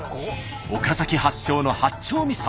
岡崎発祥の八丁みそ。